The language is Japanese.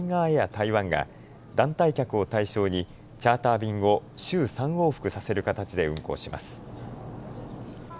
台湾が団体客を対象にチャーター便を週３往復させる形で運航します。